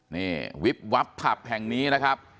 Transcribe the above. นี่วิบวับผับแห่งนี้นะครับ